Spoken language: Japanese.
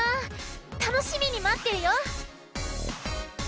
たのしみにまってるよ！